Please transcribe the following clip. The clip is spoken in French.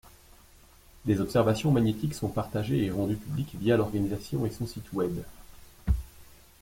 Des observations magnétiques sont partagées et rendues publiques via l'organisation et son site web.